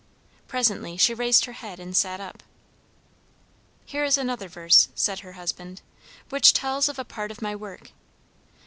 Presently she raised her head and sat up. "Here is another verse," said her husband, "which tells of a part of my work.